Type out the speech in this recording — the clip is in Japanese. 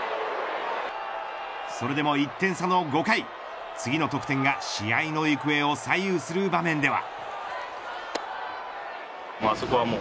それでも、１点差の５回次の得点が試合の行方を左右する場面では。